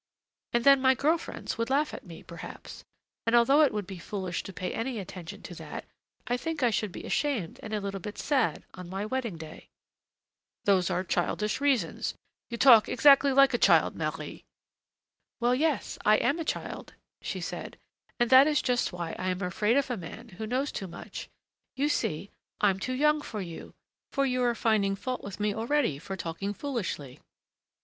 And then my girl friends would laugh at me, perhaps, and although it would be foolish to pay any attention to that, I think I should be ashamed and a little bit sad on my wedding day." "Those are childish reasons; you talk exactly like a child, Marie!" "Well, yes, I am a child," she said, "and that is just why I am afraid of a man who knows too much. You see, I'm too young for you, for you are finding fault with me already for talking foolishly!